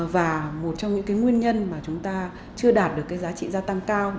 và một trong những nguyên nhân mà chúng ta chưa đạt được giá trị gia tăng cao